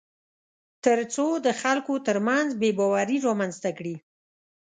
تر څو د خلکو ترمنځ بېباوري رامنځته کړي